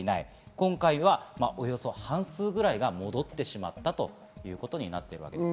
今回はおよそ半数ぐらいが戻ってしまったということです。